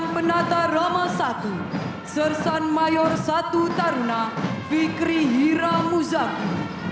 penata rama i sersan mayor satu taruna fikri hira muzami